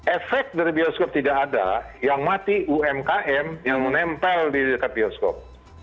efek dari bioskop tidak ada yang mati umkm yang menempel di dekat bioskop